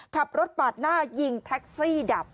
ขับรถปาดหน้ายิงแท็กซี่ดับ